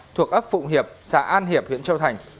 thuộc ấp phụng hiệp xã an hiệp huyện châu thành